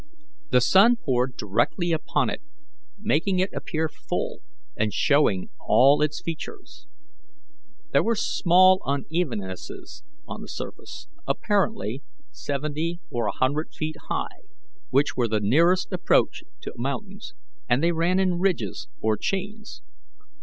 The sun poured directly upon it, making it appear full and showing all its features. There were small unevennesses on the surface, apparently seventy or a hundred feet high, which were the nearest approach to mountains, and they ran in ridges or chains.